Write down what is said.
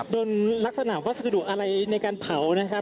โดนลักษณะวัสดุอะไรในการเผานะครับ